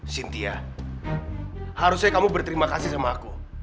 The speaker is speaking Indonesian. cynthia harusnya kamu berterima kasih sama aku